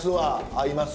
合います。